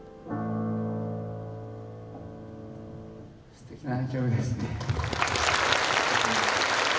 すてきな曲ですね。